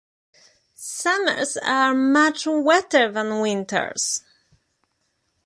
Summers are much wetter than winters.